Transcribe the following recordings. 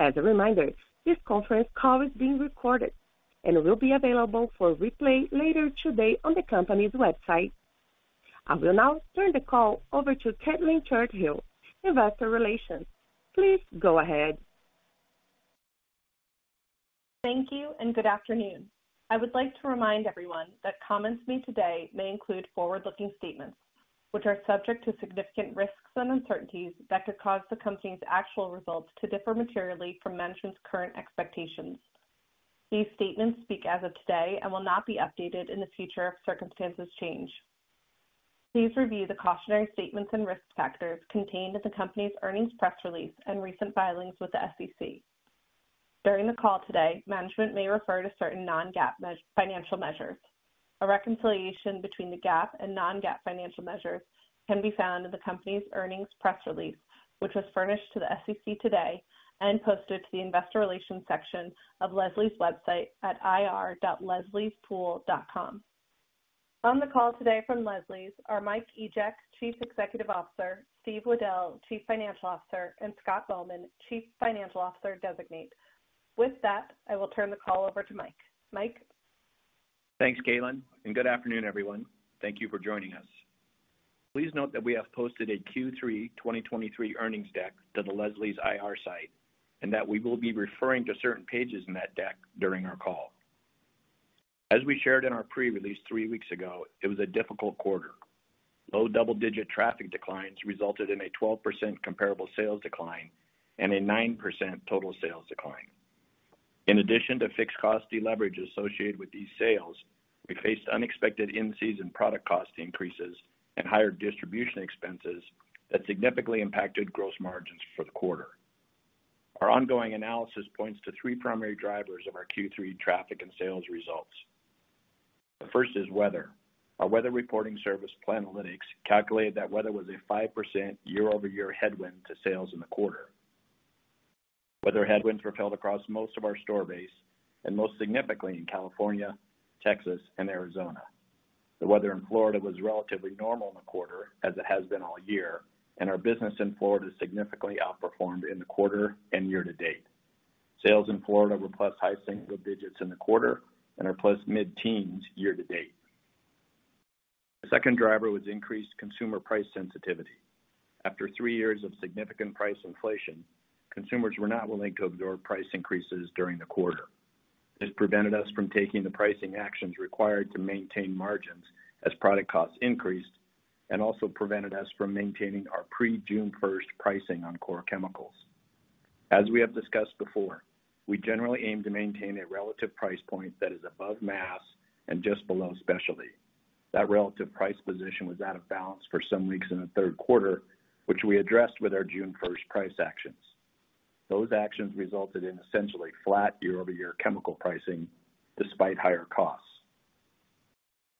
As a reminder, this conference call is being recorded and will be available for replay later today on the company's website. I will now turn the call over to Caitlin Churchill, Investor Relations. Please go ahead. Thank you, good afternoon. I would like to remind everyone that comments made today may include forward-looking statements, which are subject to significant risks and uncertainties that could cause the company's actual results to differ materially from management's current expectations. These statements speak as of today and will not be updated in the future if circumstances change. Please review the cautionary statements and risk factors contained in the company's earnings press release and recent filings with the SEC. During the call today, management may refer to certain non-GAAP financial measures. A reconciliation between the GAAP and non-GAAP financial measures can be found in the company's earnings press release, which was furnished to the SEC today and posted to the investor relations section of Leslie's website at ir.lesliespool.com. On the call today from Leslie's are Mike Egeck, Chief Executive Officer, Steve Weddell, Chief Financial Officer, and Scott Bowman, Chief Financial Officer Designate. With that, I will turn the call over to Mike. Mike? Thanks, Caitlin, and good afternoon, everyone. Thank you for joining us. Please note that we have posted a Q3 2023 earnings deck to the Leslie's IR site, and that we will be referring to certain pages in that deck during our call. As we shared in our pre-release 3 weeks ago, it was a difficult quarter. Low double-digit traffic declines resulted in a 12% comparable sales decline and a 9% total sales decline. In addition to fixed cost deleverage associated with these sales, we faced unexpected in-season product cost increases and higher distribution expenses that significantly impacted gross margins for the quarter. Our ongoing analysis points to 3 primary drivers of our Q3 traffic and sales results. The first is weather. Our weather reporting service, Planalytics, calculated that weather was a 5% year-over-year headwind to sales in the quarter. Weather headwinds were felt across most of our store base and most significantly in California, Texas, and Arizona. The weather in Florida was relatively normal in the quarter, as it has been all year, and our business in Florida significantly outperformed in the quarter and year-to-date. Sales in Florida were plus high single digits in the quarter and are plus mid-teens year-to-date. The second driver was increased consumer price sensitivity. After three years of significant price inflation, consumers were not willing to absorb price increases during the quarter. This prevented us from taking the pricing actions required to maintain margins as product costs increased and also prevented us from maintaining our pre-June first pricing on core chemicals. As we have discussed before, we generally aim to maintain a relative price point that is above mass and just below specialty. That relative price position was out of balance for some weeks in the Q3, which we addressed with our June first price actions. Those actions resulted in essentially flat year-over-year chemical pricing, despite higher costs.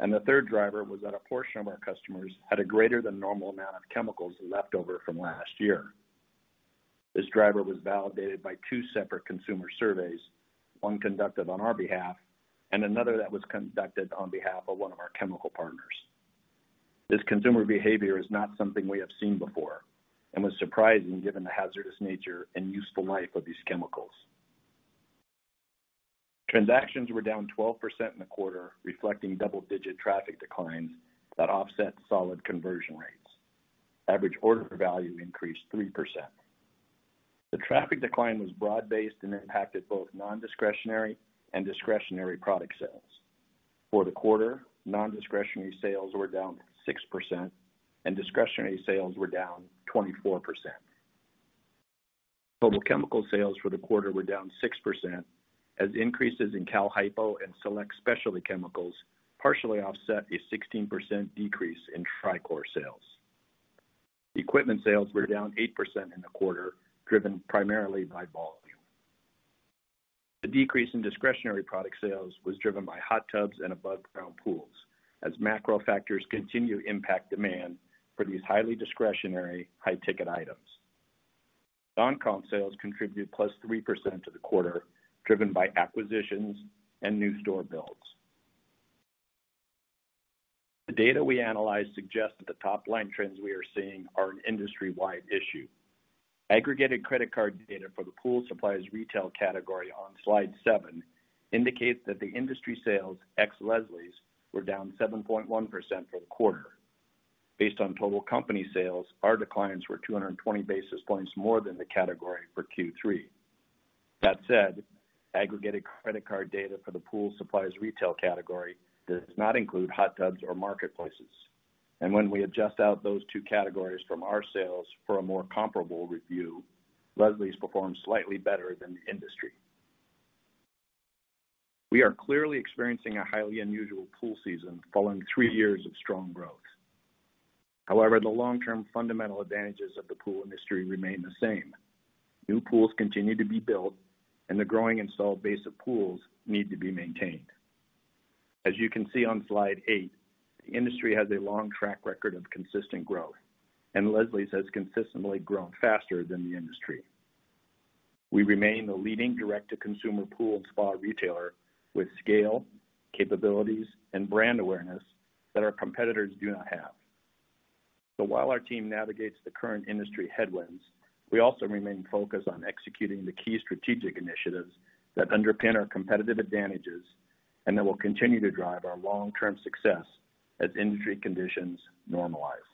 The third driver was that a portion of our customers had a greater than normal amount of chemicals left over from last year. This driver was validated by two separate consumer surveys, one conducted on our behalf and another that was conducted on behalf of one of our chemical partners. This consumer behavior is not something we have seen before and was surprising given the hazardous nature and useful life of these chemicals. Transactions were down 12% in the quarter, reflecting double-digit traffic declines that offset solid conversion rates. Average order value increased 3%. The traffic decline was broad-based and impacted both non-discretionary and discretionary product sales. For the quarter, non-discretionary sales were down 6% and discretionary sales were down 24%. Total chemical sales for the quarter were down 6%, as increases in cal hypo and select specialty chemicals partially offset a 16% decrease in Trichlor sales. Equipment sales were down 8% in the quarter, driven primarily by volume. The decrease in discretionary product sales was driven by hot tubs and aboveground pools, as macro factors continue to impact demand for these highly discretionary, high-ticket items. non-comp sales contributed +3% to the quarter, driven by acquisitions and new store builds. The data we analyzed suggests that the top-line trends we are seeing are an industry-wide issue. Aggregated credit card data for the pool supplies retail category on slide 7 indicates that the industry sales, ex Leslie's, were down 7.1% for the quarter. Based on total company sales, our declines were 220 basis points more than the category for Q3. That said, aggregated credit card data for the pool supplies retail category does not include hot tubs or marketplaces. When we adjust out those two categories from our sales for a more comparable review, Leslie's performed slightly better than the industry. We are clearly experiencing a highly unusual pool season following 3 years of strong growth. However, the long-term fundamental advantages of the pool industry remain the same. New pools continue to be built. The growing installed base of pools need to be maintained. As you can see on slide 8, the industry has a long track record of consistent growth. Leslie's has consistently grown faster than the industry. We remain the leading direct-to-consumer pool and spa retailer with scale, capabilities, and brand awareness that our competitors do not have.... While our team navigates the current industry headwinds, we also remain focused on executing the key strategic initiatives that underpin our competitive advantages, and that will continue to drive our long-term success as industry conditions normalize.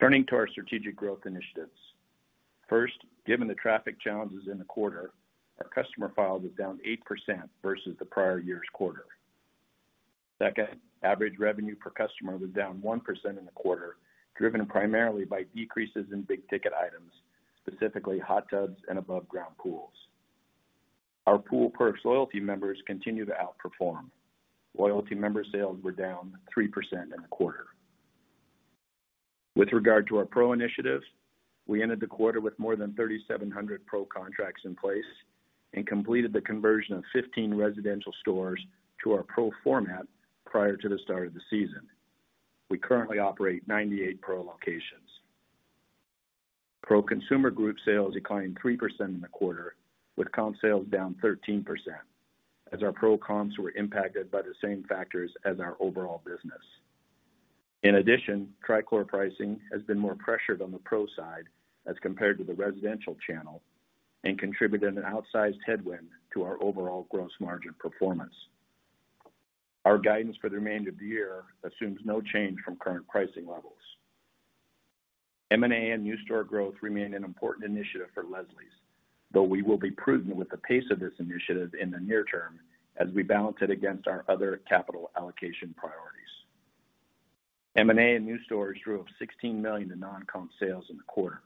Turning to our strategic growth initiatives. First, given the traffic challenges in the quarter, our customer files was down 8% versus the prior year's quarter. Second, average revenue per customer was down 1% in the quarter, driven primarily by decreases in big-ticket items, specifically hot tubs and above ground pools. Our Pool Perks loyalty members continue to outperform. Loyalty member sales were down 3% in the quarter. With regard to our Pro initiatives, we ended the quarter with more than 3,700 Pro contracts in place and completed the conversion of 15 residential stores to our Pro format prior to the start of the season. We currently operate 98 Pro locations. Pro consumer group sales declined 3% in the quarter, with comp sales down 13%, as our Pro comps were impacted by the same factors as our overall business. In addition, Trichlor pricing has been more pressured on the Pro side as compared to the residential channel and contributed an outsized headwind to our overall gross margin performance. Our guidance for the remainder of the year assumes no change from current pricing levels. M&A and new store growth remain an important initiative for Leslie's, though we will be prudent with the pace of this initiative in the near term as we balance it against our other capital allocation priorities. M&A and new stores drew up $16 million in non-comp sales in the quarter.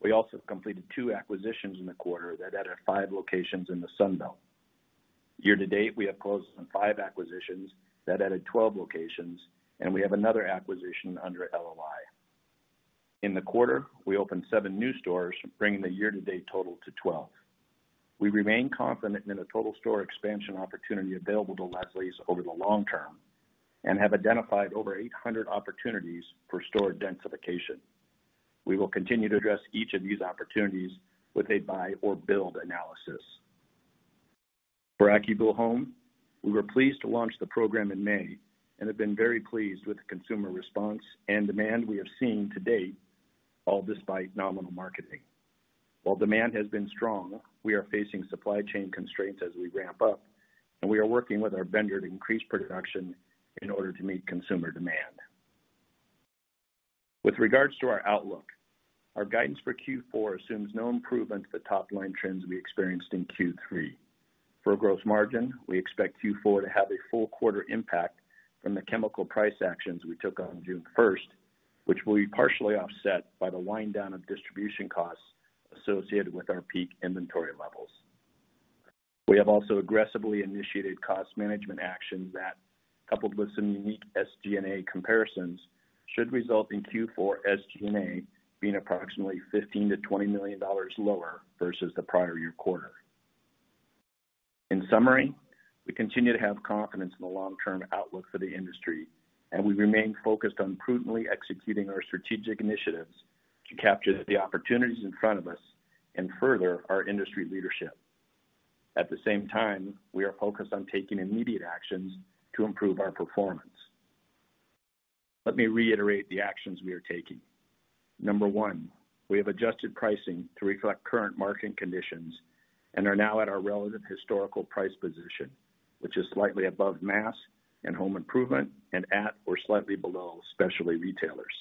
We also completed two acquisitions in the quarter that added five locations in the Sun Belt. Year to date, we have closed on five acquisitions that added 12 locations. We have another acquisition under LOI. In the quarter, we opened seven new stores, bringing the year-to-date total to 12. We remain confident in the total store expansion opportunity available to Leslie's over the long term and have identified over 800 opportunities for store densification. We will continue to address each of these opportunities with a buy or build analysis. For AccuBlue Home, we were pleased to launch the program in May and have been very pleased with the consumer response and demand we have seen to date, all despite nominal marketing. While demand has been strong, we are facing supply chain constraints as we ramp up, and we are working with our vendor to increase production in order to meet consumer demand. With regards to our outlook, our guidance for Q4 assumes no improvement to the top-line trends we experienced in Q3. For gross margin, we expect Q4 to have a full quarter impact from the chemical price actions we took on June 1st, which will be partially offset by the wind down of distribution costs associated with our peak inventory levels. We have also aggressively initiated cost management actions that, coupled with some unique SG&A comparisons, should result in Q4 SG&A being approximately $15 million-$20 million lower versus the prior year quarter. In summary, we continue to have confidence in the long-term outlook for the industry, and we remain focused on prudently executing our strategic initiatives to capture the opportunities in front of us and further our industry leadership. At the same time, we are focused on taking immediate actions to improve our performance. Let me reiterate the actions we are taking. Number one, we have adjusted pricing to reflect current market conditions and are now at our relative historical price position, which is slightly above mass and home improvement, and at or slightly below specialty retailers.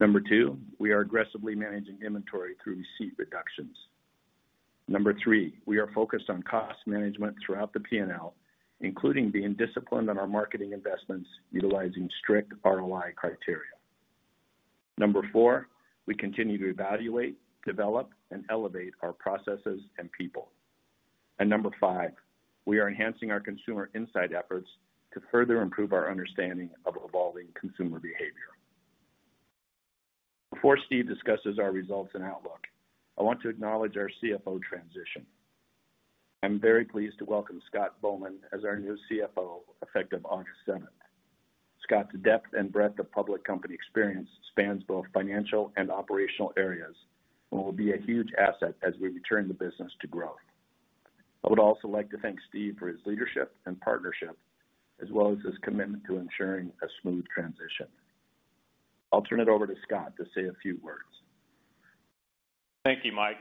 Number two, we are aggressively managing inventory through receipt reductions. Number 3, we are focused on cost management throughout the P&L, including being disciplined on our marketing investments, utilizing strict ROI criteria. Number 4, we continue to evaluate, develop, and elevate our processes and people. Number 5, we are enhancing our consumer insight efforts to further improve our understanding of evolving consumer behavior. Before Steve discusses our results and outlook, I want to acknowledge our CFO transition. I'm very pleased to welcome Scott Bowman as our new CFO, effective August 7. Scott's depth and breadth of public company experience spans both financial and operational areas and will be a huge asset as we return the business to growth. I would also like to thank Steve for his leadership and partnership, as well as his commitment to ensuring a smooth transition. I'll turn it over to Scott to say a few words. Thank you, Mike.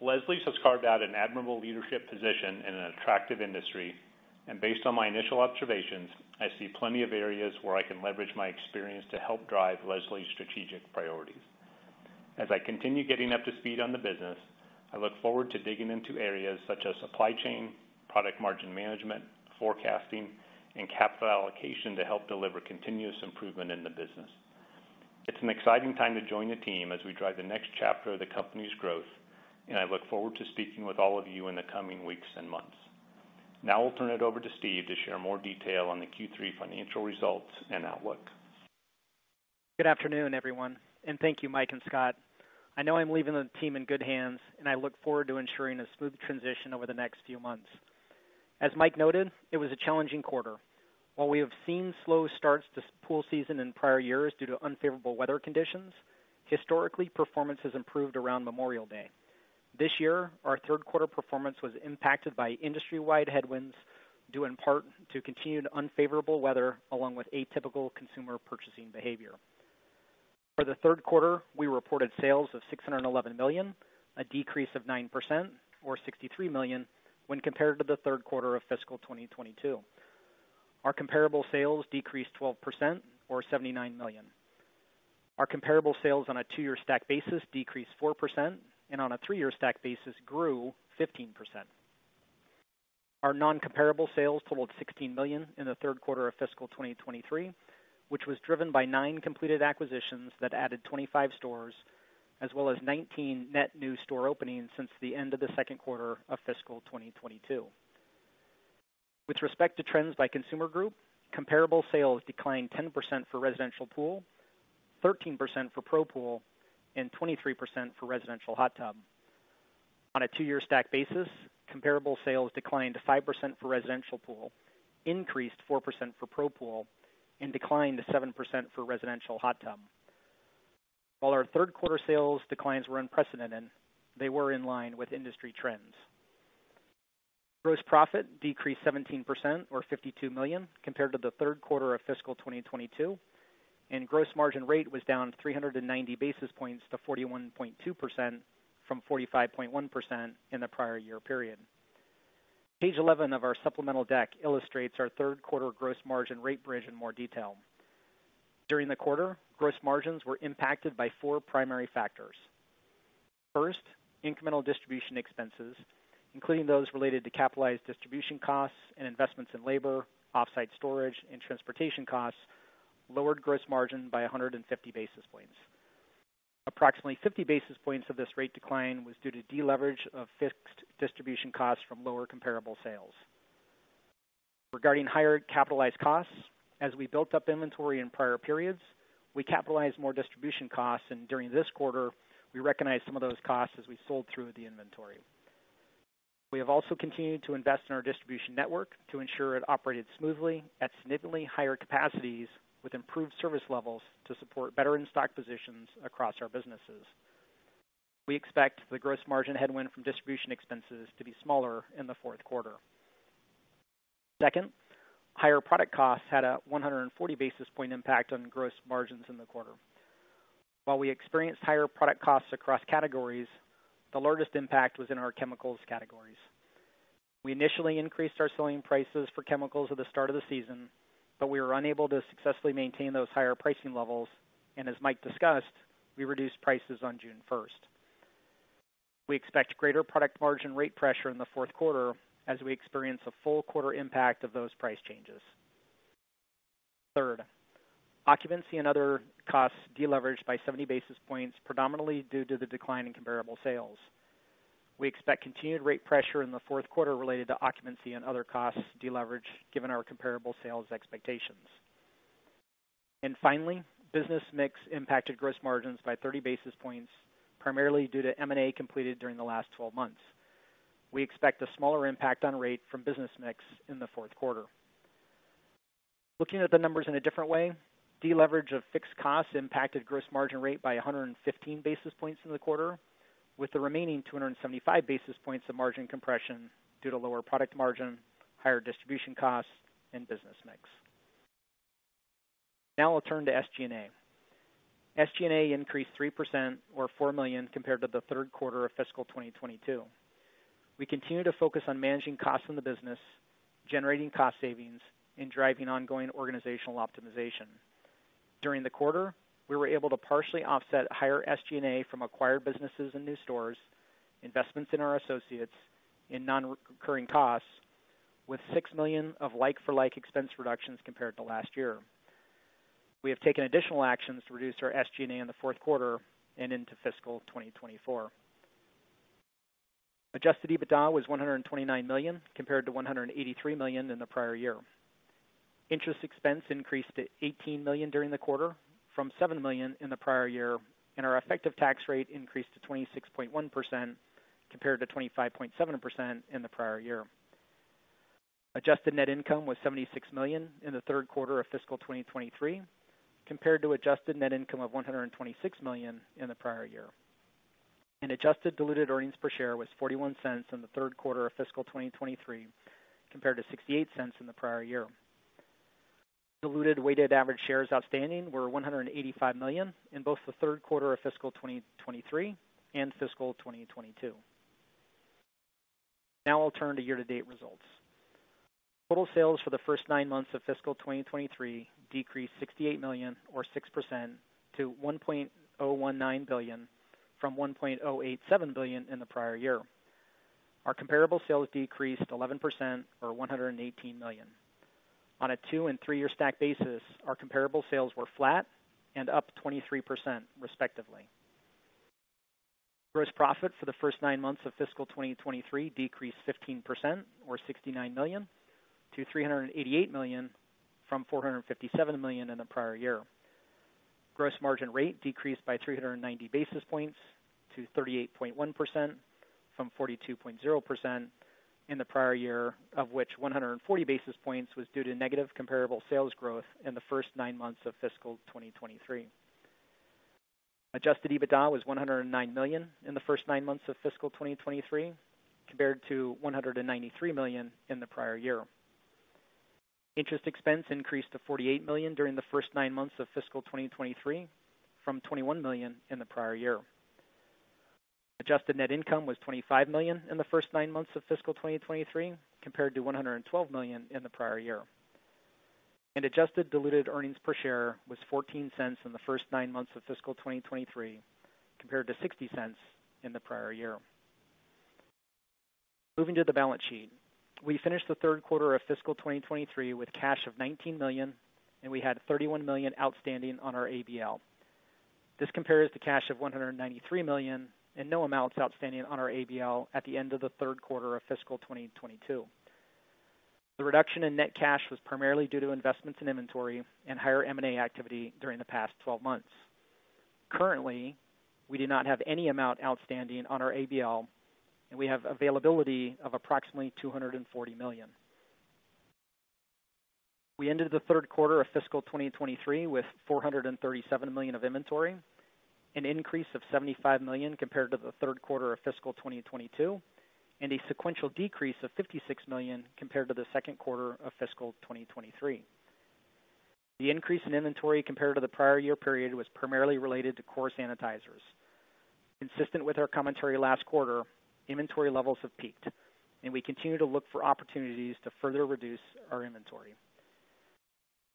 Leslie's has carved out an admirable leadership position in an attractive industry. Based on my initial observations, I see plenty of areas where I can leverage my experience to help drive Leslie's strategic priorities. As I continue getting up to speed on the business, I look forward to digging into areas such as supply chain, product margin management, forecasting, and capital allocation to help deliver continuous improvement in the business. It's an exciting time to join the team as we drive the next chapter of the company's growth. I look forward to speaking with all of you in the coming weeks and months. Now I'll turn it over to Steve to share more detail on the Q3 financial results and outlook. Good afternoon, everyone, and thank you, Mike and Scott. I know I'm leaving the team in good hands, and I look forward to ensuring a smooth transition over the next few months. As Mike noted, it was a challenging quarter. While we have seen slow starts to pool season in prior years due to unfavorable weather conditions, historically, performance has improved around Memorial Day. This year, our Q3 performance was impacted by industry-wide headwinds, due in part to continued unfavorable weather, along with atypical consumer purchasing behavior. For the Q3, we reported sales of $611 million, a decrease of 9%, or $63 million, when compared to the Q3 of fiscal 2022. Our comparable sales decreased 12% or $79 million. Our comparable sales on a 2-year stack basis decreased 4%, and on a 3-year stack basis, grew 15%. Our non-comparable sales totaled $16 million in the Q3 of fiscal 2023, which was driven by 9 completed acquisitions that added 25 stores, as well as 19 net new store openings since the end of the Q2 of fiscal 2022. With respect to trends by consumer group, comparable sales declined 10% for residential pool, 13% for Pro pool, and 23% for residential hot tub. On a two-year stack basis, comparable sales declined to 5% for residential pool, increased 4% for Pro pool, and declined to 7% for residential hot tub. While our Q3 sales declines were unprecedented, they were in line with industry trends. Gross profit decreased 17% or $52 million, compared to the Q3 of fiscal 2022, and gross margin rate was down 390 basis points to 41.2% from 45.1% in the prior year period. Page 11 of our supplemental deck illustrates our Q3 gross margin rate bridge in more detail. During the quarter, gross margins were impacted by four primary factors. First, incremental distribution expenses, including those related to capitalized distribution costs and investments in labor, offsite storage, and transportation costs, lowered gross margin by 150 basis points. Approximately 50 basis points of this rate decline was due to deleverage of fixed distribution costs from lower comparable sales. Regarding higher capitalized costs, as we built up inventory in prior periods, we capitalized more distribution costs, and during this quarter, we recognized some of those costs as we sold through the inventory. We have also continued to invest in our distribution network to ensure it operated smoothly at significantly higher capacities, with improved service levels to support better in-stock positions across our businesses. We expect the gross margin headwind from distribution expenses to be smaller in the Q4. Second, higher product costs had a 140 basis point impact on gross margins in the quarter. While we experienced higher product costs across categories, the largest impact was in our chemicals categories. We initially increased our selling prices for chemicals at the start of the season, but we were unable to successfully maintain those higher pricing levels. As Mike discussed, we reduced prices on June 1st. We expect greater product margin rate pressure in the Q4 as we experience a full quarter impact of those price changes. Third, occupancy and other costs deleveraged by 70 basis points, predominantly due to the decline in comparable sales. We expect continued rate pressure in the Q4 related to occupancy and other costs deleverage, given our comparable sales expectations. Finally, business mix impacted gross margins by 30 basis points, primarily due to M&A completed during the last 12 months. We expect a smaller impact on rate from business mix in the Q4. Looking at the numbers in a different way, deleverage of fixed costs impacted gross margin rate by 115 basis points in the quarter, with the remaining 275 basis points of margin compression due to lower product margin, higher distribution costs, and business mix. I'll turn to SG&A. SG&A increased 3% or $4 million, compared to the Q3 of fiscal 2022. We continue to focus on managing costs in the business, generating cost savings, and driving ongoing organizational optimization. During the quarter, we were able to partially offset higher SG&A from acquired businesses and new stores, investments in our associates, and non-recurring costs, with $6 million of like-for-like expense reductions compared to last year. We have taken additional actions to reduce our SG&A in the Q4 and into fiscal 2024. Adjusted EBITDA was $129 million, compared to $183 million in the prior year. Interest expense increased to $18 million during the quarter, from $7 million in the prior year, our effective tax rate increased to 26.1%, compared to 25.7% in the prior year. Adjusted net income was $76 million in the Q3 of fiscal 2023, compared to adjusted net income of $126 million in the prior year. Adjusted diluted earnings per share was $0.41 in the Q3 of fiscal 2023, compared to $0.68 in the prior year. Diluted weighted average shares outstanding were 185 million in both the Q3 of fiscal 2023 and fiscal 2022. Now I'll turn to year-to-date results. Total sales for the first nine months of fiscal 2023 decreased $68 million or 6% to $1.19 billion, from $1.187 billion in the prior year. Our comparable sales decreased 11% or $118 million. On a two and three-year stack basis, our comparable sales were flat and up 23%, respectively. Gross profit for the first nine months of fiscal 2023 decreased 15% or $69 million to $388 million from $457 million in the prior year. Gross margin rate decreased by 390 basis points to 38.1% from 42.0% in the prior year, of which 140 basis points was due to negative comparable sales growth in the first nine months of fiscal 2023. Adjusted EBITDA was $109 million in the first nine months of fiscal 2023, compared to $193 million in the prior year. Interest expense increased to $48 million during the first nine months of fiscal 2023, from $21 million in the prior year. Adjusted net income was $25 million in the first nine months of fiscal 2023, compared to $112 million in the prior year. Adjusted diluted earnings per share was $0.14 in the first nine months of fiscal 2023, compared to $0.60 in the prior year. Moving to the balance sheet. We finished the Q3 of fiscal 2023 with cash of $19 million, and we had $31 million outstanding on our ABL. This compares to cash of $193 million, and no amounts outstanding on our ABL at the end of the Q3 of fiscal 2022. The reduction in net cash was primarily due to investments in inventory and higher M&A activity during the past 12 months. Currently, we do not have any amount outstanding on our ABL, and we have availability of approximately $240 million. We ended the Q3 of fiscal 2023 with $437 million of inventory, an increase of $75 million compared to the Q3 of fiscal 2022, and a sequential decrease of $56 million compared to the Q2 of fiscal 2023. The increase in inventory compared to the prior year period, was primarily related to course sanitizers. Consistent with our commentary last quarter, inventory levels have peaked, and we continue to look for opportunities to further reduce our inventory.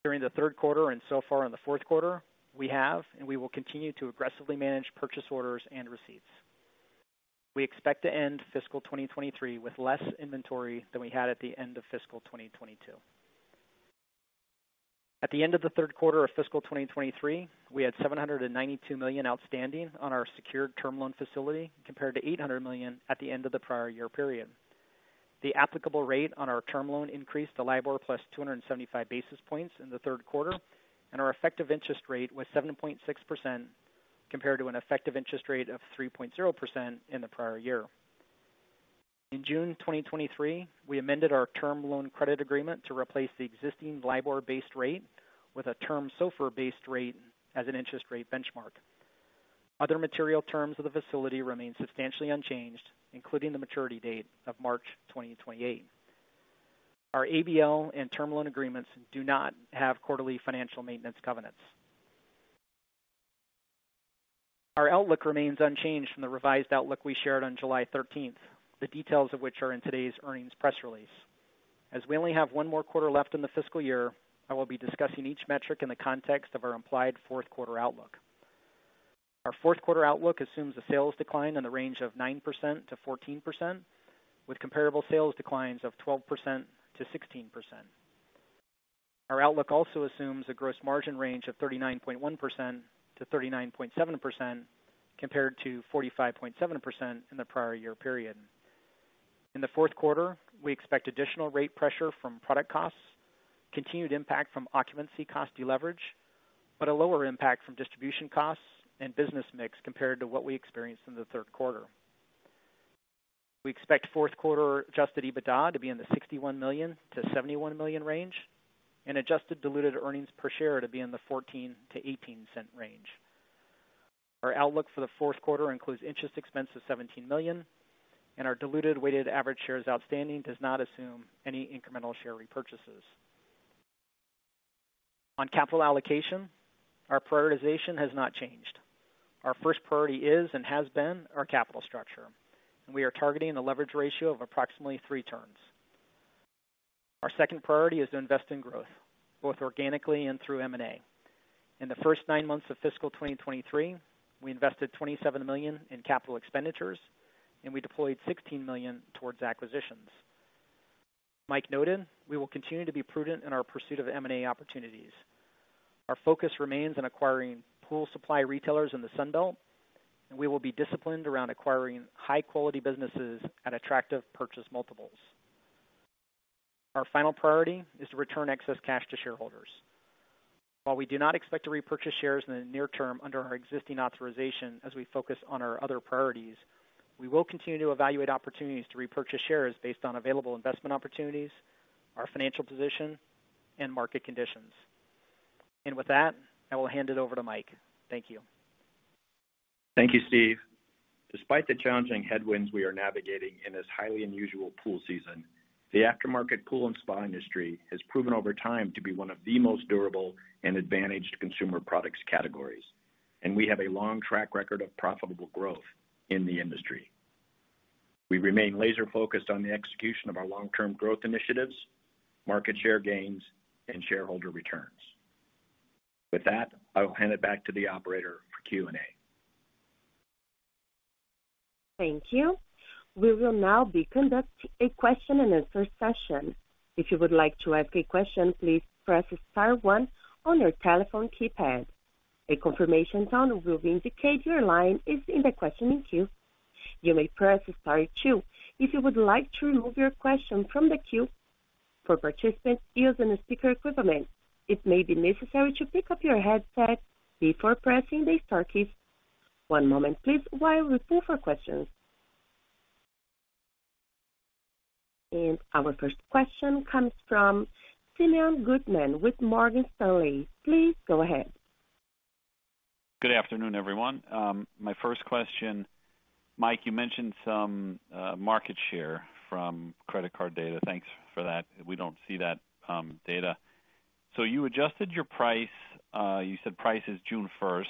During the Q3 and so far in the Q4, we have, and we will continue to aggressively manage purchase orders and receipts. We expect to end fiscal 2023 with less inventory than we had at the end of fiscal 2022. At the end of the Q3 of fiscal 2023, we had $792 million outstanding on our secured term loan facility, compared to $800 million at the end of the prior year period. The applicable rate on our term loan increased to LIBOR plus 275 basis points in the Q3, and our effective interest rate was 7.6%, compared to an effective interest rate of 3.0% in the prior year. In June 2023, we amended our term loan credit agreement to replace the existing LIBOR-based rate with a term SOFR-based rate as an interest rate benchmark. Other material terms of the facility remain substantially unchanged, including the maturity date of March 2028. Our ABL and term loan agreements do not have quarterly financial maintenance covenants. Our outlook remains unchanged from the revised outlook we shared on July 13th, the details of which are in today's earnings press release. As we only have one more quarter left in the fiscal year, I will be discussing each metric in the context of our implied Q4 outlook. Our Q4 outlook assumes a sales decline in the range of 9%-14%, with comparable sales declines of 12%-16%. Our outlook also assumes a gross margin range of 39.1%-39.7%, compared to 45.7% in the prior year period. In the Q4, we expect additional rate pressure from product costs, continued impact from occupancy cost deleverage, but a lower impact from distribution costs and business mix compared to what we experienced in the Q3. We expect Q4 Adjusted EBITDA to be in the $61 million-$71 million range, and adjusted diluted earnings per share to be in the $0.14-$0.18 range. Our outlook for the Q4 includes interest expense of $17 million, and our diluted weighted average shares outstanding does not assume any incremental share repurchases. On capital allocation, our prioritization has not changed. Our first priority is, and has been, our capital structure, and we are targeting a leverage ratio of approximately 3 turns. Our second priority is to invest in growth, both organically and through M&A. In the first nine months of fiscal 2023, we invested $27 million in capital expenditures, and we deployed $16 million towards acquisitions. Mike noted, we will continue to be prudent in our pursuit of M&A opportunities. Our focus remains on acquiring pool supply retailers in the Sun Belt, and we will be disciplined around acquiring high-quality businesses at attractive purchase multiples. Our final priority is to return excess cash to shareholders. While we do not expect to repurchase shares in the near term under our existing authorization as we focus on our other priorities, we will continue to evaluate opportunities to repurchase shares based on available investment opportunities, our financial position, and market conditions. With that, I will hand it over to Mike. Thank you. Thank you, Steve. Despite the challenging headwinds we are navigating in this highly unusual pool season, the aftermarket pool and spa industry has proven over time to be one of the most durable and advantaged consumer products categories, and we have a long track record of profitable growth in the industry. We remain laser-focused on the execution of our long-term growth initiatives, market share gains, and shareholder returns. With that, I will hand it back to the operator for Q&A. Thank you. We will now be conducting a question-and-answer session. If you would like to ask a question, please press star one on your telephone keypad. A confirmation tone will indicate your line is in the questioning queue. You may press star two if you would like to remove your question from the queue. For participants using a speaker equivalent, it may be necessary to pick up your headset before pressing the star key. One moment, please, while we prepare for questions. Our first question comes from Simeon Gutman with Morgan Stanley. Please go ahead. Good afternoon, everyone. My first question, Mike, you mentioned some market share from credit card data. Thanks for that. We don't see that data. You adjusted your price, you said prices June 1st.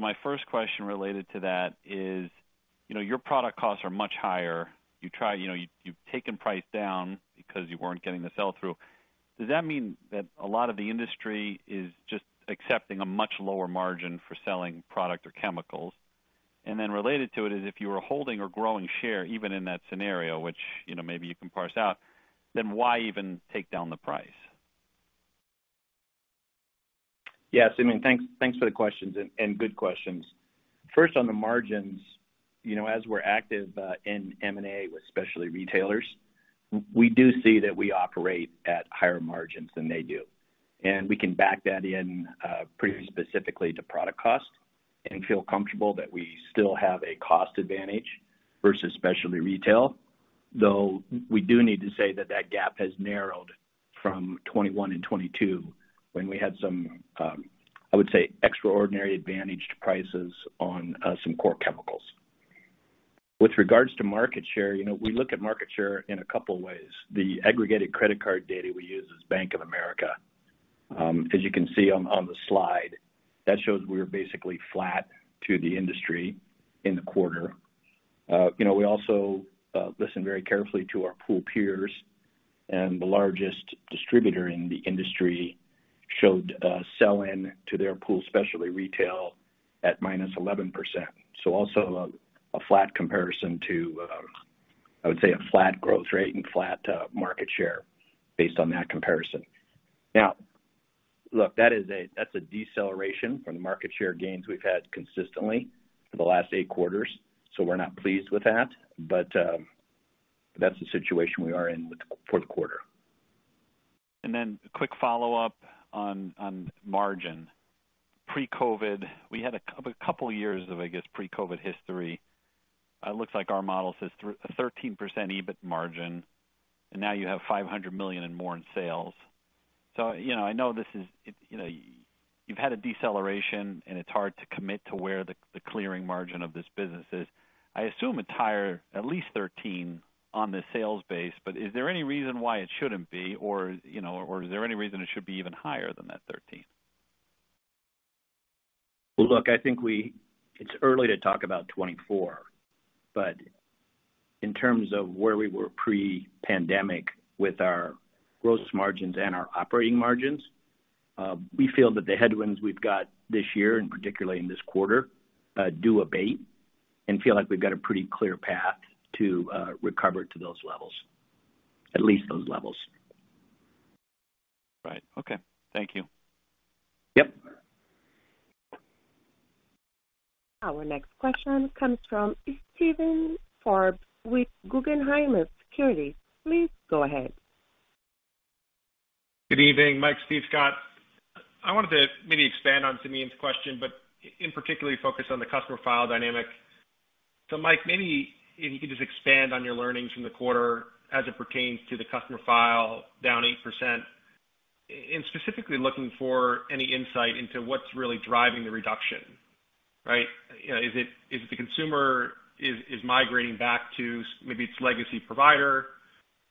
My first question related to that is, your product costs are much higher. You try, you've taken price down because you weren't getting the sell-through. Does that mean that a lot of the industry is just accepting a much lower margin for selling product or chemicals? Then related to it is, if you were holding or growing share, even in that scenario, which maybe you can parse out, then why even take down the price? Yes, Simeon, thanks, thanks for the questions and good questions. First, on the margins, as we're active in M&A with specialty retailers, we do see that we operate at higher margins than they do, and we can back that in pretty specifically to product cost and feel comfortable that we still have a cost advantage versus specialty retail, though, we do need to say that that gap has narrowed from 2021 and 2022, when we had some, I would say, extraordinary advantaged prices on some core chemicals. With regards to market share, we look at market share in a couple ways. The aggregated credit card data we use is Bank of America. As you can see on the slide, that shows we're basically flat to the industry in the quarter. You know, we also listen very carefully to our pool peers, the largest distributor in the industry showed a sell-in to their pool, specialty retail, at minus 11%. Also a flat comparison to, I would say, a flat growth rate and flat market share based on that comparison. That's a deceleration from the market share gains we've had consistently for the last eight quarters, so we're not pleased with that. That's the situation we are in Q4. A quick follow-up on margin. Pre-COVID, we had a couple years of, I guess, pre-COVID history. It looks like our model says a 13% EBIT margin, and now you have $500 million and more in sales. I know this is, you've had a deceleration, and it's hard to commit to where the clearing margin of this business is. I assume it's higher, at least 13 on the sales base, but is there any reason why it shouldn't be or is there any reason it should be even higher than that 13? Well, look, I think It's early to talk about 2024, in terms of where we were pre-pandemic with our gross margins and our operating margins, we feel that the headwinds we've got this year, and particularly in this quarter, do abate and feel like we've got a pretty clear path to recover to those levels, at least those levels. Right. Okay. Thank you. Yep. Our next question comes from Steven Forbes with Guggenheim Securities. Please go ahead. Good evening, Mike, Steve, Scott. I wanted to maybe expand on Simeon's question, but in particularly focus on the customer file dynamic. Mike, maybe if you could just expand on your learnings from the quarter as it pertains to the customer file down 8%, and specifically looking for any insight into what's really driving the reduction, right? You know, is it, is the consumer migrating back to maybe its legacy provider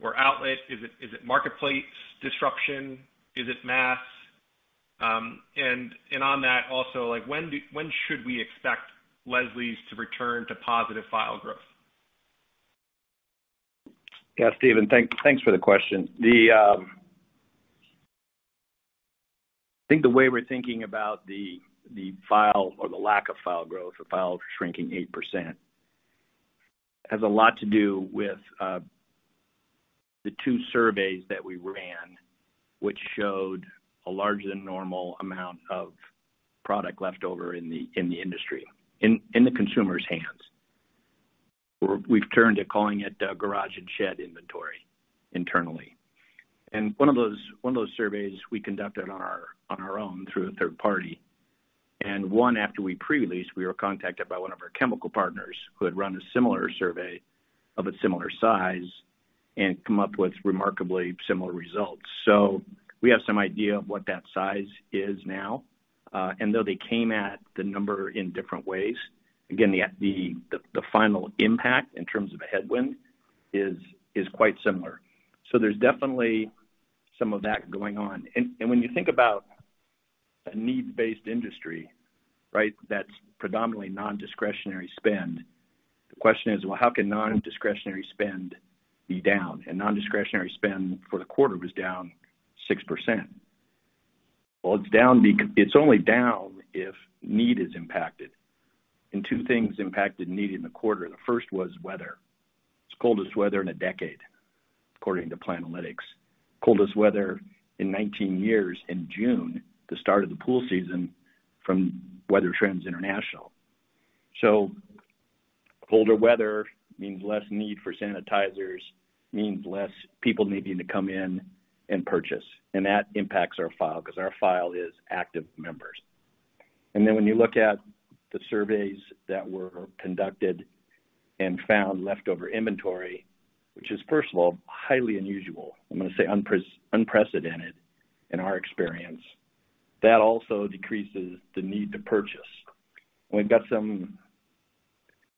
or outlet? Is it, is it marketplace disruption? Is it mass? On that, also, like, when should we expect Leslie's to return to positive file growth? Steven, thank, thanks for the question. The. I think the way we're thinking about the, the file or the lack of file growth, the files are shrinking 8%, has a lot to do with the two surveys that we ran, which showed a larger than normal amount of product left over in the, in the industry, in, in the consumer's hands. We've turned to calling it garage and shed inventory internally. One of those, one of those surveys we conducted on our, on our own through a third party, and one after we pre-released, we were contacted by one of our chemical partners who had run a similar survey of a similar size and come up with remarkably similar results. We have some idea of what that size is now. Though they came at the number in different ways, again, the, the, the final impact in terms of a headwind is, is quite similar. There's definitely some of that going on. When you think about a needs-based industry, right, that's predominantly non-discretionary spend, the question is: Well, how can non-discretionary spend be down? Non-discretionary spend for the quarter was down 6%. Well, it's down it's only down if need is impacted, and two things impacted need in the quarter. The first was weather. It's coldest weather in a decade, according to Planalytics. Coldest weather in 19 years in June, the start of the pool season, from Weather Trends International. Colder weather means less need for sanitizers, means less people needing to come in and purchase, and that impacts our file because our file is active members. Then when you look at the surveys that were conducted and found leftover inventory, which is, first of all, highly unusual, I'm going to say unprecedented in our experience, that also decreases the need to purchase. We've got some,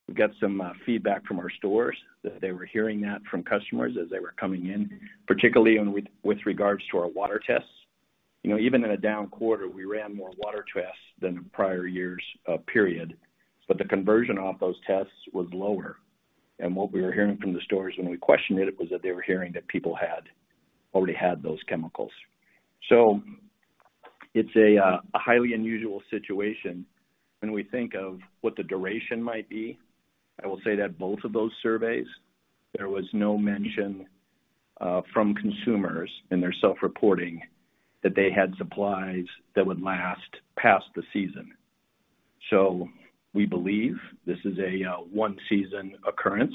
we've got some feedback from our stores that they were hearing that from customers as they were coming in, particularly in with, with regards to our water tests. Even in a down quarter, we ran more water tests than the prior years, period, but the conversion off those tests was lower. What we were hearing from the stores when we questioned it, was that they were hearing that people had already had those chemicals. It's a, a highly unusual situation. When we think of what the duration might be, I will say that both of those surveys, there was no mention from consumers in their self-reporting, that they had supplies that would last past the season. We believe this is a 1 season occurrence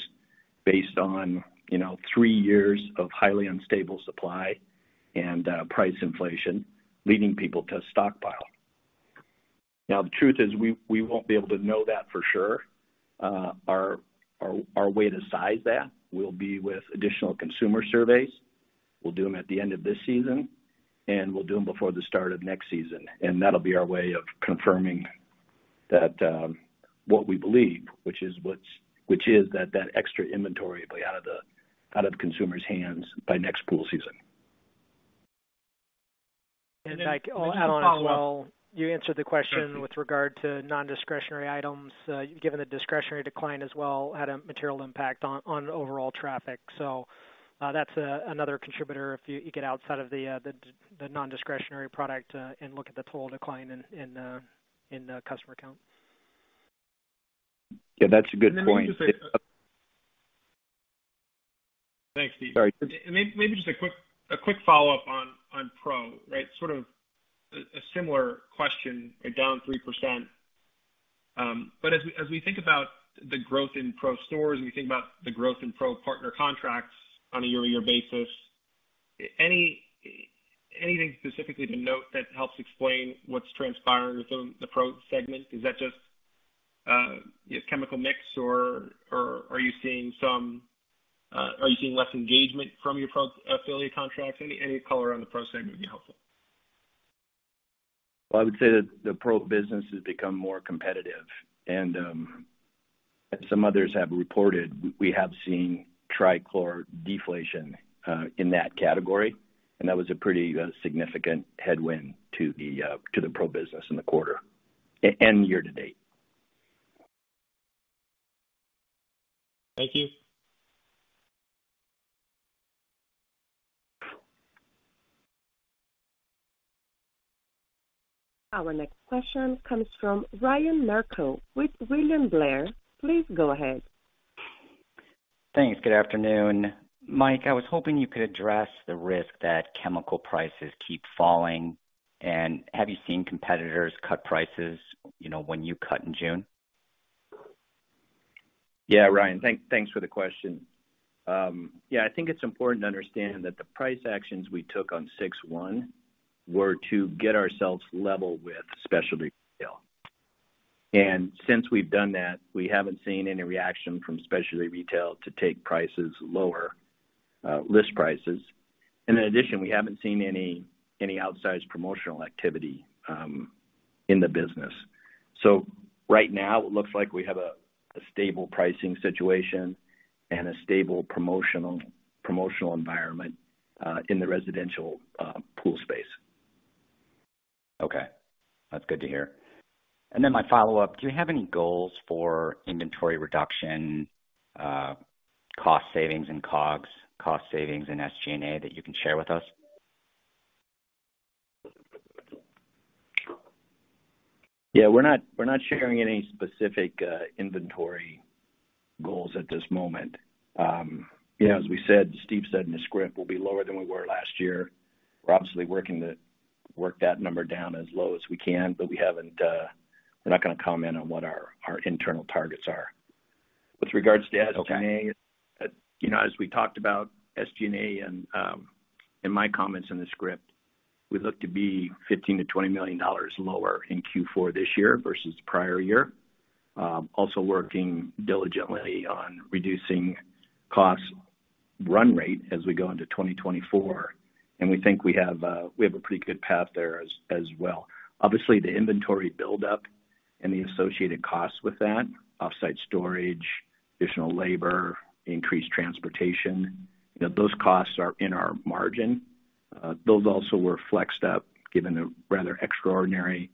based on, 3 years of highly unstable supply and price inflation, leading people to stockpile. The truth is, we, we won't be able to know that for sure. Our, our, our way to size that will be with additional consumer surveys. We'll do them at the end of this season, and we'll do them before the start of next season, and that'll be our way of confirming that what we believe, which is that that extra inventory will be out of the, out of the consumer's hands by next pool season. Mike, I'll add on as well. You answered the question with regard to nondiscretionary items. Given the discretionary decline as well, had a material impact on, on overall traffic. That's another contributor if you, you get outside of the, the, the nondiscretionary product, and look at the total decline in, in, in, customer count. Yeah, that's a good point. Thanks, Steve. Sorry. May- maybe just a quick, a quick follow-up on, on Pro, right? Sort of a, a similar question, down 3%. As we, as we think about the growth in Pro stores, and we think about the growth in Pro partner contracts on a year-over-year basis, any- anything specifically to note that helps explain what's transpiring within the Pro segment? Is that just, yeah, chemical mix or, or are you seeing some, are you seeing less engagement from your Pro affiliate contracts? Any, any color on the Pro segment would be helpful. Well, I would say that the Pro business has become more competitive, and as some others have reported, we have seen Trichlor deflation in that category, and that was a pretty significant headwind to the Pro business in the quarter and year to date. Thank you. Our next question comes from Ryan Merkel with William Blair. Please go ahead. Thanks. Good afternoon. Mike, I was hoping you could address the risk that chemical prices keep falling, and have you seen competitors cut prices, you know, when you cut in June? Ryan, thank, thanks for the question. I think it's important to understand that the price actions we took on 6/1 were to get ourselves level with specialty retail. Since we've done that, we haven't seen any reaction from specialty retail to take prices lower, list prices. In addition, we haven't seen any, any outsized promotional activity in the business. Right now, it looks like we have a, a stable pricing situation and a stable promotional, promotional environment in the residential pool space. Okay. That's good to hear. My follow-up: Do you have any goals for inventory reduction, cost savings and COGS, cost savings and SG&A, that you can share with us? We're not, we're not sharing any specific inventory goals at this moment. As we said, Steve said in the script, we'll be lower than we were last year. We're obviously working to work that number down as low as we can. We're not going to comment on what our internal targets are. With regards to SG&A. Okay. As we talked about SG&A and in my comments in the script, we look to be $15 million-$20 million lower in Q4 this year versus prior year. Also working diligently on reducing cost run rate as we go into 2024, and we think we have a pretty good path there as well. Obviously, the inventory buildup and the associated costs with that, offsite storage, additional labor, increased transportation, those costs are in our margin. Those also were flexed up, given the rather extraordinary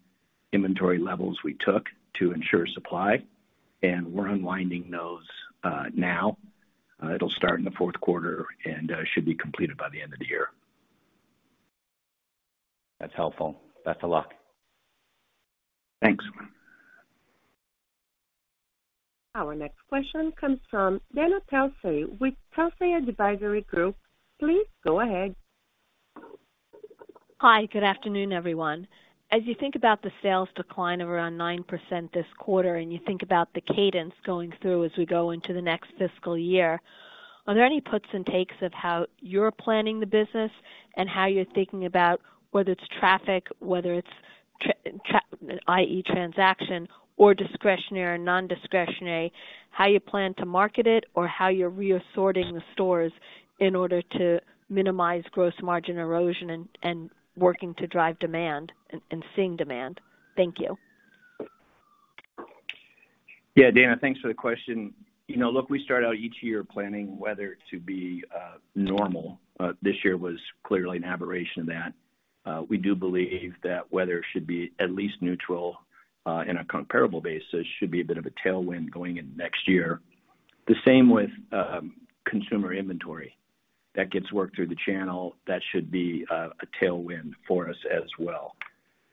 inventory levels we took to ensure supply, and we're unwinding those now. It'll start in the Q4 and should be completed by the end of the year. That's helpful. Best of luck. Thanks. Our next question comes from Dana Telsey with Telsey Advisory Group. Please go ahead. Hi, good afternoon, everyone. As you think about the sales decline of around 9% this quarter, you think about the cadence going through as we go into the next fiscal year, are there any puts and takes of how you're planning the business and how you're thinking about whether it's traffic, whether it's i.e., transaction or discretionary and nondiscretionary, how you plan to market it or how you're reassorting the stores in order to minimize gross margin erosion and, and working to drive demand and, and seeing demand? Thank you. Dana, thanks for the question. Look, we start out each year planning weather to be normal. This year was clearly an aberration of that. We do believe that weather should be at least neutral, in a comparable basis, should be a bit of a tailwind going into next year. The same with consumer inventory. That gets worked through the channel. That should be a tailwind for us as well.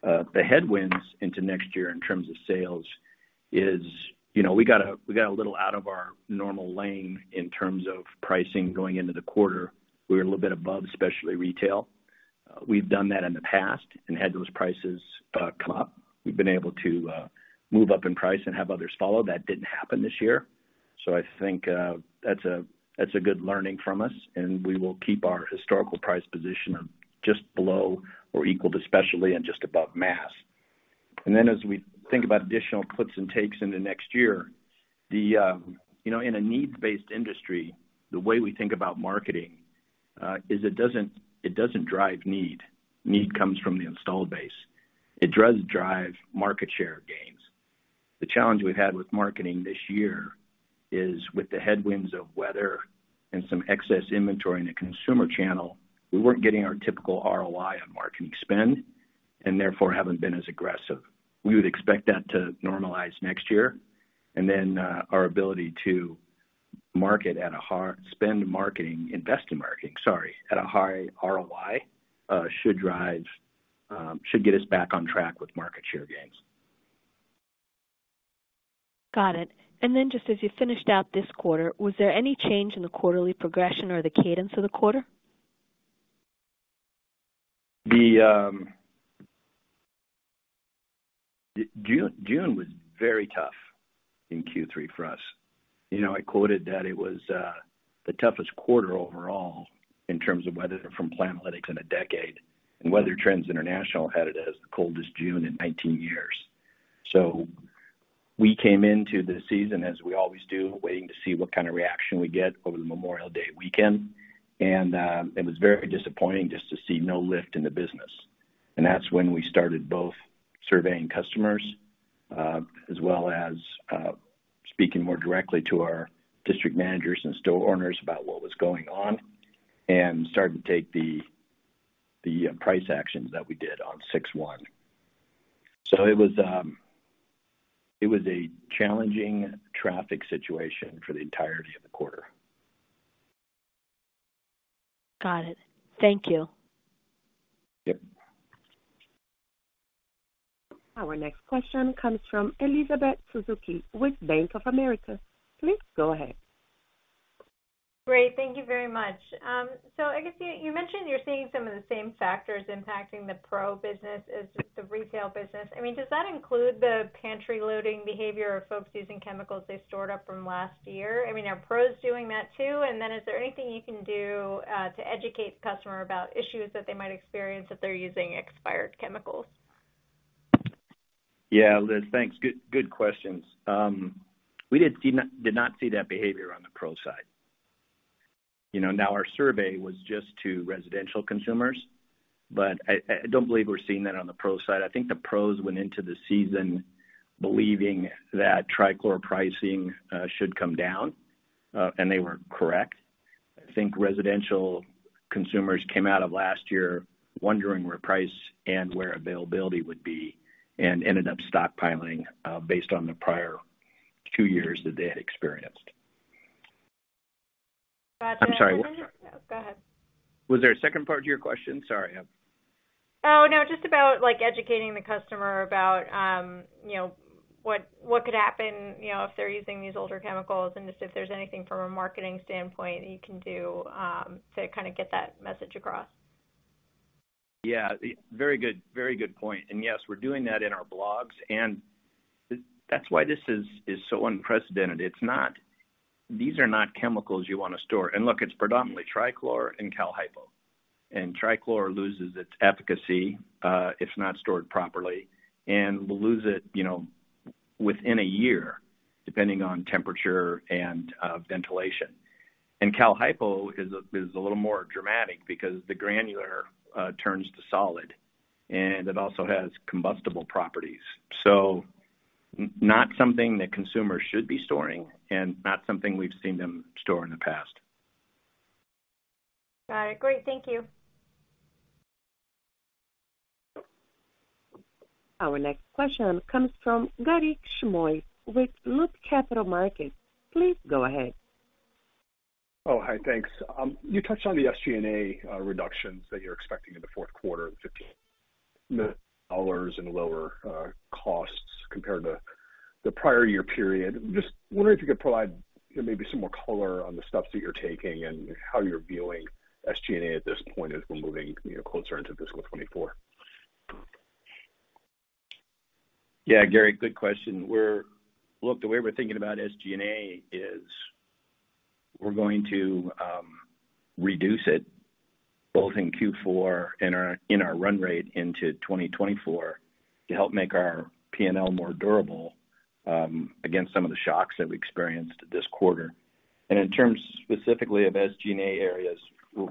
The headwinds into next year in terms of sales is, you know, we got a, we got a little out of our normal lane in terms of pricing going into the quarter. We were a little bit above, especially retail. We've done that in the past and had those prices come up. We've been able to move up in price and have others follow. That didn't happen this year. I think that's a, that's a good learning from us, and we will keep our historical price position of just below or equal to specialty and just above mass. Then as we think about additional puts and takes in the next year, the, you know, in a needs-based industry, the way we think about marketing is it doesn't, it doesn't drive need. Need comes from the installed base. It does drive market share gains. The challenge we've had with marketing this year is with the headwinds of weather and some excess inventory in the consumer channel, we weren't getting our typical ROI on marketing spend and therefore haven't been as aggressive. We would expect that to normalize next year, and then our ability to market at a high... Spend marketing, invest in marketing, sorry, at a high ROI, should drive, should get us back on track with market share gains. Got it. Then, just as you finished out this quarter, was there any change in the quarterly progression or the cadence of the quarter? The June, June was very tough in Q3 for us. I quoted that it was the toughest quarter overall in terms of weather from Planalytics in a decade, and Weather Trends International had it as the coldest June in 19 years. We came into the season, as we always do, waiting to see what kind of reaction we get over the Memorial Day weekend, and it was very disappointing just to see no lift in the business. That's when we started both surveying customers, as well as speaking more directly to our district managers and store owners about what was going on and starting to take the, the price actions that we did on 6/1. It was it was a challenging traffic situation for the entirety of the quarter. Got it. Thank you. Sure. Our next question comes from Elizabeth Suzuki with Bank of America. Please go ahead. Great. Thank you very much. I guess you, you mentioned you're seeing some of the same factors impacting the Pro business as just the retail business. I mean, does that include the pantry loading behavior of folks using chemicals they stored up from last year? I mean, are pros doing that too? Is there anything you can do to educate the customer about issues that they might experience if they're using expired chemicals? Elizabeth, thanks. Good, good questions. We did not see that behavior on the pro side. Now our survey was just to residential consumers, but I, I don't believe we're seeing that on the pro side. I think the pros went into the season believing that Trichlor pricing should come down and they were correct. I think residential consumers came out of last year wondering where price and where availability would be and ended up stockpiling based on the prior two years that they had experienced. Got it. I'm sorry, what? Go ahead. Was there a second part to your question? Sorry. Oh, no. Just about, like, educating the customer about, what could happen, if they're using these older chemicals and just if there's anything from a marketing standpoint you can do, to kind of get that message across. Very good, very good point. Yes, we're doing that in our blogs, and that's why this is so unprecedented. These are not chemicals you want to store. Look, it's predominantly Trichlor and calcium hypochlorite, and Trichlor loses its efficacy if not stored properly, and will lose it, within a year, depending on temperature and ventilation. Calcium hypochlorite is a little more dramatic because the granular turns to solid, and it also has combustible properties. Not something that consumers should be storing and not something we've seen them store in the past. Got it. Great. Thank you. Our next question comes from Garik Shmois with Loop Capital Markets. Please go ahead. Oh, hi. Thanks. You touched on the SG&A reductions that you're expecting in the Q4 of $15 and lower costs compared to the prior year period. Just wondering if you could provide maybe some more color on the steps that you're taking and how you're viewing SG&A at this point as we're moving, you know, closer into fiscal 2024? Garik, good question. Look, the way we're thinking about SG&A is we're going to reduce it both in Q4 and our, in our run rate into 2024 to help make our P&L more durable against some of the shocks that we experienced this quarter. In terms specifically of SG&A areas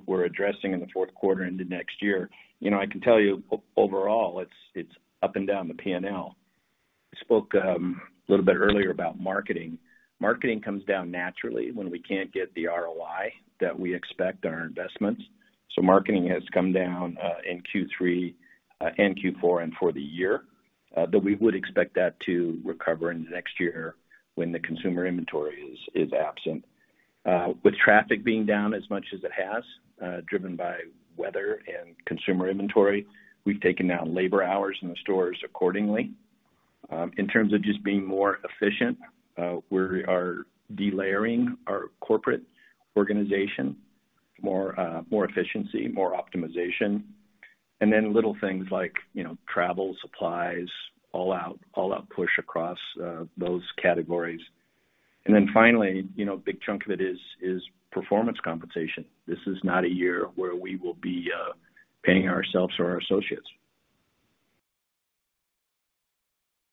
we're addressing in the Q4 into next year, you know, I can tell you overall, it's, it's up and down the P&L. I spoke a little bit earlier about marketing. Marketing comes down naturally when we can't get the ROI that we expect on our investments. Marketing has come down in Q3 and Q4 and for the year, but we would expect that to recover into next year when the consumer inventory is, is absent. With traffic being down as much as it has, driven by weather and consumer inventory, we've taken down labor hours in the stores accordingly. In terms of just being more efficient, we are delayering our corporate organization, more efficiency, more optimization, and then little things like, travel, supplies, all out, all out push across those categories. Finally, a big chunk of it is performance compensation. This is not a year where we will be paying ourselves or our associates.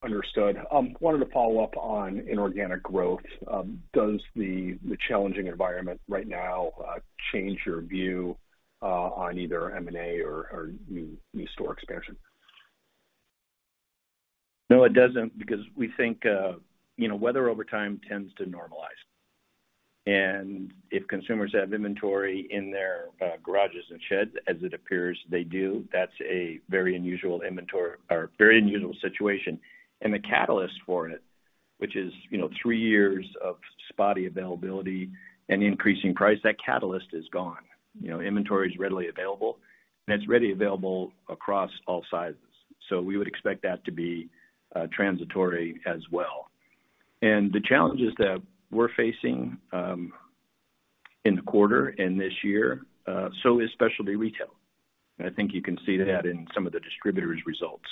Understood. Wanted to follow up on inorganic growth. Does the, the challenging environment right now, change your view, on either M&A or, or new, new store expansion? No, it doesn't, because we think, weather over time tends to normalize. If consumers have inventory in their garages and sheds as it appears they do, that's a very unusual inventory or very unusual situation. The catalyst for it, which is, 3 years of spotty availability and increasing price, that catalyst is gone. You know, inventory is readily available, and it's readily available across all sizes. We would expect that to be transitory as well. The challenges that we're facing in the quarter and this year, so is specialty retail. I think you can see that in some of the distributors' results.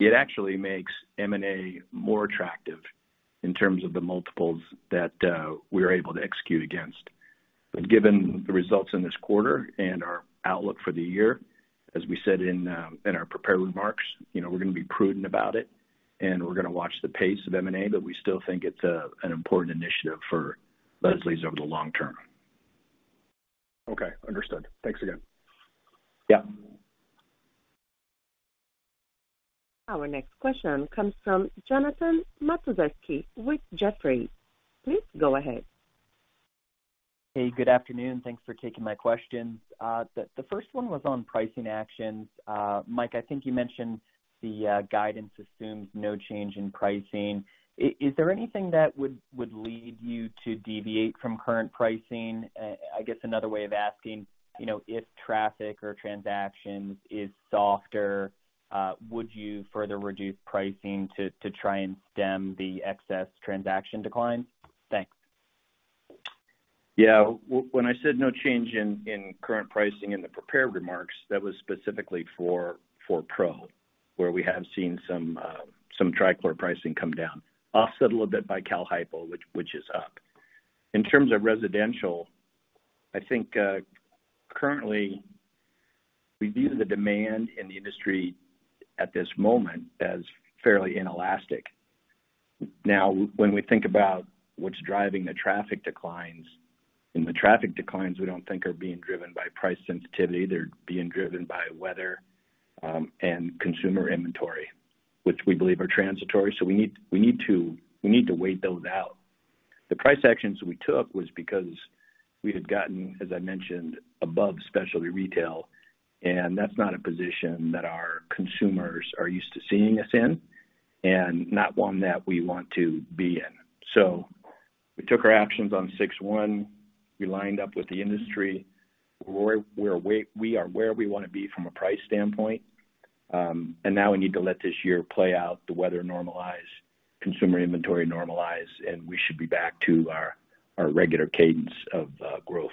It actually makes M&A more attractive in terms of the multiples that we're able to execute against. Given the results in this quarter and our outlook for the year, as we said in our prepared remarks, we're going to be prudent about it, and we're going to watch the pace of M&A, but we still think it's an important initiative for Leslie's over the long term. Okay, understood. Thanks again. Yeah. Our next question comes from Jonathan Matuszewski with Jefferies. Please go ahead. Good afternoon. Thanks for taking my questions. The first one was on pricing actions. Mike, I think you mentioned the guidance assumes no change in pricing. Is there anything that would, would lead you to deviate from current pricing? I guess another way of asking, if traffic or transactions is softer, would you further reduce pricing to, to try and stem the excess transaction declines? Thanks. When I said no change in current pricing in the prepared remarks, that was specifically for Pro, where we have seen some Trichlor pricing come down, offset a little bit by calcium hypochlorite, which is up. In terms of residential, I think currently, we view the demand in the industry at this moment as fairly inelastic. When we think about what's driving the traffic declines, the traffic declines we don't think are being driven by price sensitivity, they're being driven by weather and consumer inventory, which we believe are transitory, we need to wait those out. The price actions we took was because we had gotten, as I mentioned, above specialty retail, and that's not a position that our consumers are used to seeing us in and not one that we want to be in. We took our actions on 6/1. We lined up with the industry. We are where we want to be from a price standpoint. Now we need to let this year play out, the weather normalize, consumer inventory normalize, and we should be back to our, our regular cadence of growth.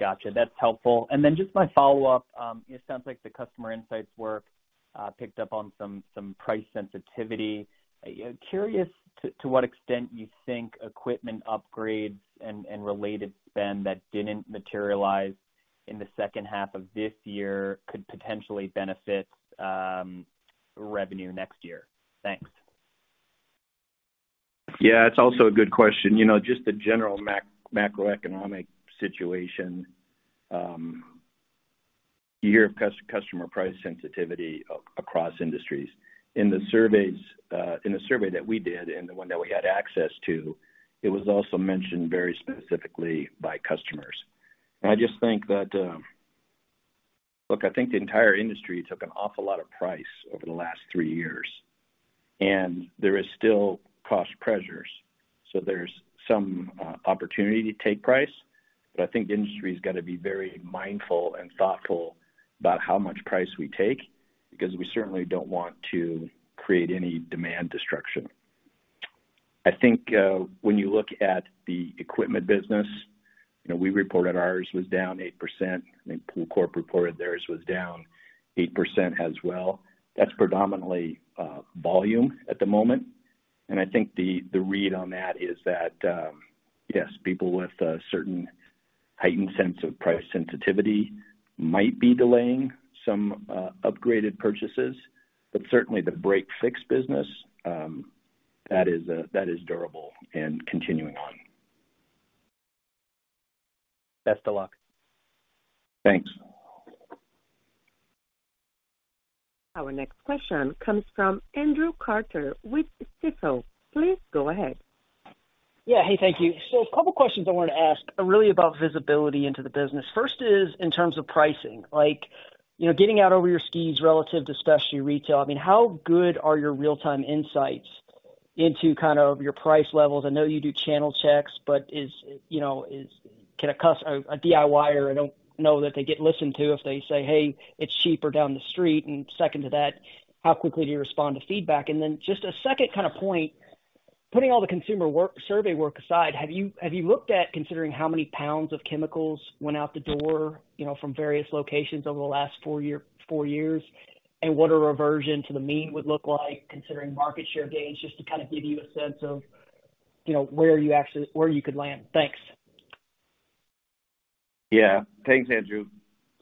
Gotcha. That's helpful. Then just my follow-up. It sounds like the customer insights work picked up on some price sensitivity. Curious to what extent you think equipment upgrades and related spend that didn't materialize in the second half of this year could potentially benefit revenue next year? Thanks. It's also a good question. Just the general macroeconomic situation, you hear of customer price sensitivity across industries. In the surveys, in the survey that we did and the one that we had access to, it was also mentioned very specifically by customers. I just think that. Look, I think the entire industry took an awful lot of price over the last three years. There is still cost pressures, so there's some opportunity to take price. I think the industry has got to be very mindful and thoughtful about how much price we take, because we certainly don't want to create any demand destruction. I think, when you look at the equipment business, we reported ours was down 8%. I think Pool Corporation reported theirs was down 8% as well. That's predominantly volume at the moment. I think the, the read on that is that, yes, people with a certain heightened sense of price sensitivity might be delaying some upgraded purchases, but certainly the break-fix business, that is durable and continuing on. Best of luck. Thanks. Our next question comes from Andrew Carter with Stifel. Please go ahead. Thank you. A couple questions I wanted to ask are really about visibility into the business. First is in terms of pricing, like, getting out over your skis relative to specialty retail. How good are your real-time insights into kind of your price levels? I know you do channel checks, is, can a DIY-er, I don't know that they get listened to if they say, "Hey, it's cheaper down the street." Second to that, how quickly do you respond to feedback? Just a second kind of point, putting all the consumer work, survey work aside, have you, have you looked at considering how many pounds of chemicals went out the door, from various locations over the last 4 years? What a reversion to the mean would look like, considering market share gains, just to kind of give you a sense of where you actually, where you could land. Thanks. Thanks, Andrew.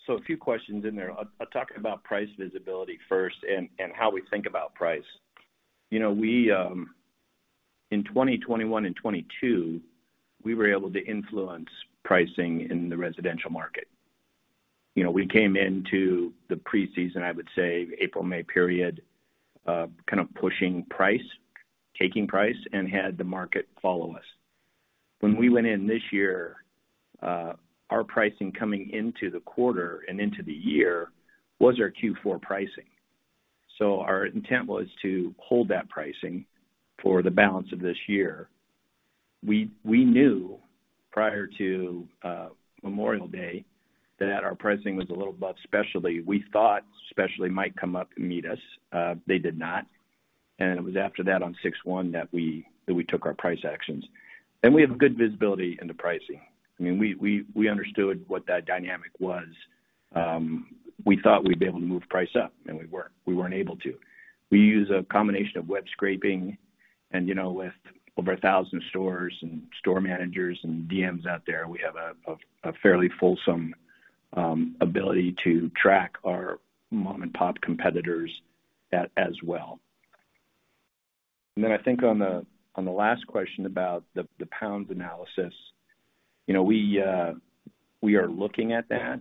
A few questions in there. I'll, I'll talk about price visibility first and, and how we think about price. We, in 2021 and 2022, we were able to influence pricing in the residential market. We came into the preseason, I would say, April, May period, kind of pushing price, taking price, and had the market follow us. When we went in this year, our pricing coming into the quarter and into the year was our Q4 pricing. Our intent was to hold that pricing for the balance of this year. We, we knew prior to Memorial Day that our pricing was a little above specialty. We thought specialty might come up and meet us. They did not. It was after that, on 6/1, that we, that we took our price actions. We have good visibility into pricing. I mean, we, we, we understood what that dynamic was. We thought we'd be able to move price up, and we weren't, we weren't able to. We use a combination of web scraping and, you know, with over 1,000 stores and store managers and DMs out there, we have a, a, a fairly fulsome ability to track our mom-and-pop competitors as, as well. Then I think on the, on the last question about the, the pounds analysis, we are looking at that.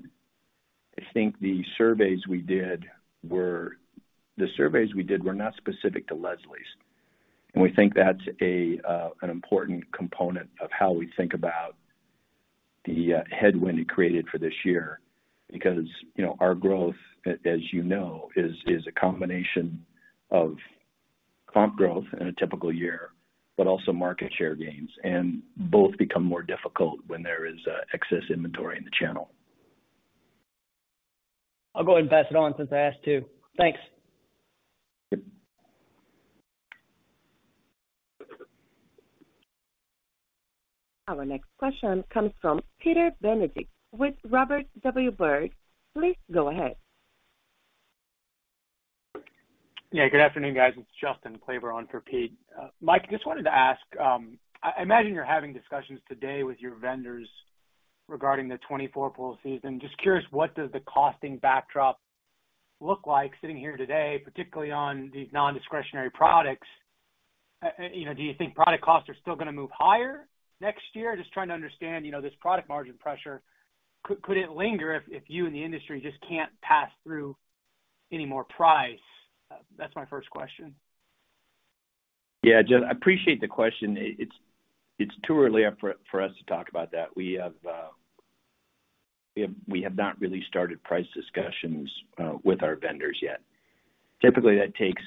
I think the surveys we did were. The surveys we did were not specific to Leslie's, and we think that's an important component of how we think about the headwind it created for this year. Our growth, as you know, is, is a combination of comp growth in a typical year, but also market share gains. Both become more difficult when there is excess inventory in the channel. I'll go ahead and pass it on since I asked too. Thanks. Yep. Our next question comes from Peter Benedict with Robert W. Baird. Please go ahead. Good afternoon, guys. It's Justin Kleber on for Peter. Mike, I just wanted to ask, I imagine you're having discussions today with your vendors regarding the 2024 pool season. Just curious, what does the costing backdrop look like sitting here today, particularly on these non-discretionary products? Do you think product costs are still going to move higher next year? Just trying to understand, this product margin pressure, could, could it linger if, if you and the industry just can't pass through any more price? That's my first question. Justin, I appreciate the question. It's too early for us to talk about that. We have not really started price discussions with our vendors yet. Typically, that takes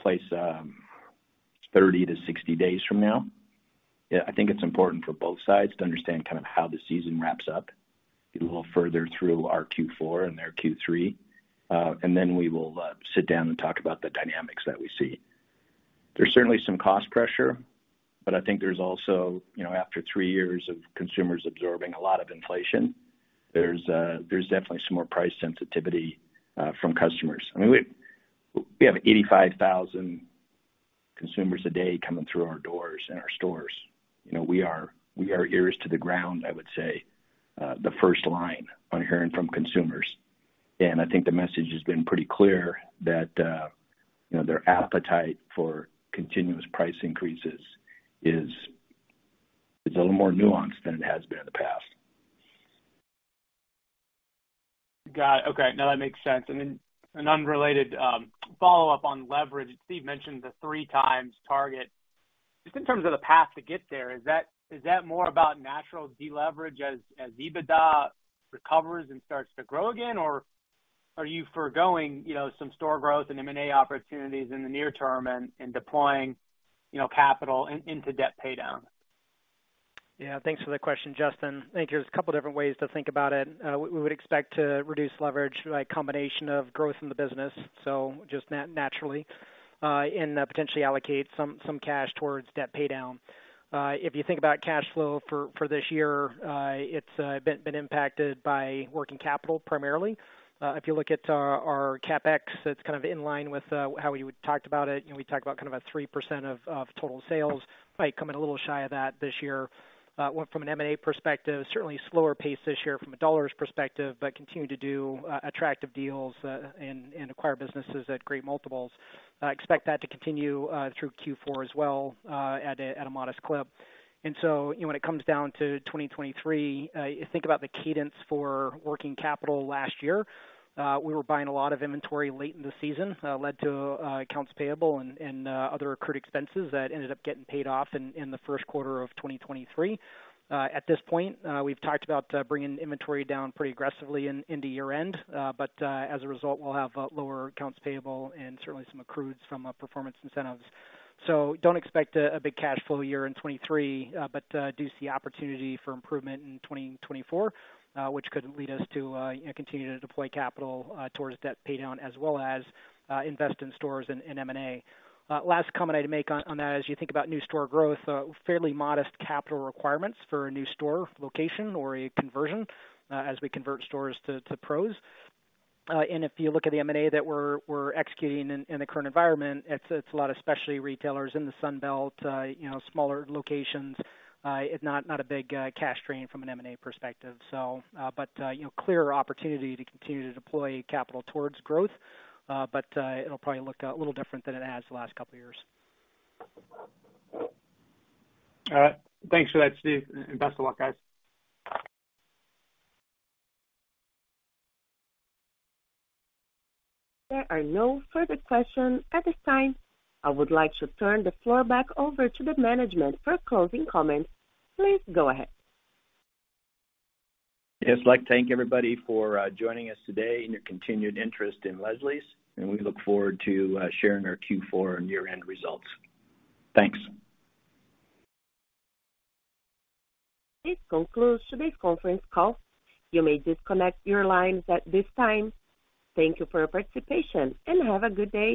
place 30-60 days from now. I think it's important for both sides to understand kind of how the season wraps up, get a little further through our Q4 and their Q3, and then we will sit down and talk about the dynamics that we see. There's certainly some cost pressure, but I think there's also, you know, after 3 years of consumers absorbing a lot of inflation, there's definitely some more price sensitivity from customers. We have 85,000 consumers a day coming through our doors in our stores. We are, we are ears to the ground, I would say, the first line on hearing from consumers. I think the message has been pretty clear that, their appetite for continuous price increases is, is a little more nuanced than it has been in the past. Got it. Okay. No, that makes sense. Then an unrelated, follow-up on leverage. Steve mentioned the 3 times target. Just in terms of the path to get there, is that, is that more about natural deleverage as, as EBITDA recovers and starts to grow again? Or are you forgoing, some store growth and M&A opportunities in the near term and, and deploying, capital in, into debt paydown? Thanks for the question, Justin. I think there's a couple different ways to think about it. We, we would expect to reduce leverage by a combination of growth in the business, so just naturally, and potentially allocate some, some cash towards debt paydown. If you think about cash flow for, for this year, it's been impacted by working capital, primarily. If you look at our, our CapEx, it's kind of in line with how we would talked about it. We talked about kind of a 3% of, of total sales, might come in a little shy of that this year. Well, from an M&A perspective, certainly slower pace this year from a dollars perspective, but continue to do attractive deals, and acquire businesses at great multiples. I expect that to continue through Q4 as well, at a modest clip. When it comes down to 2023, you think about the cadence for working capital last year, we were buying a lot of inventory late in the season, led to accounts payable and other accrued expenses that ended up getting paid off in the Q1 of 2023. At this point, we've talked about bringing inventory down pretty aggressively into year-end, but as a result, we'll have lower accounts payable and certainly some accrueds from performance incentives. Don't expect a big cash flow year in 2023, but do see opportunity for improvement in 2024, which could lead us to continue to deploy capital towards debt paydown, as well as invest in stores and M&A. Last comment I'd make on that, as you think about new store growth, fairly modest capital requirements for a new store location or a conversion, as we convert stores to Pros. If you look at the M&A that we're executing in the current environment, it's a lot of specialty retailers in the Sun Belt, smaller locations, it not a big cash drain from an M&A perspective. Clear opportunity to continue to deploy capital towards growth, but it'll probably look a little different than it has the last couple of years. All right. Thanks for that, Steve, and best of luck, guys. There are no further questions at this time. I would like to turn the floor back over to the management for closing comments. Please go ahead. Yes, I'd like to thank everybody for joining us today and your continued interest in Leslie's, and we look forward to sharing our Q4 and year-end results. Thanks. This concludes today's conference call. You may disconnect your lines at this time. Thank you for your participation, and have a good day.